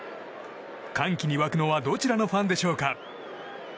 歓喜に沸くのはどちらのファンでしょうか。